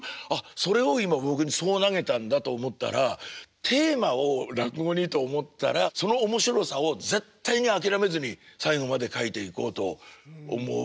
それを今僕にそう投げたんだと思ったらテーマを落語にと思ったらその面白さを絶対に諦めずに最後まで書いていこうと思う。